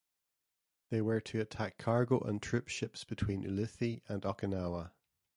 They were to attack cargo and troop ships between Ulithi and Okinawa.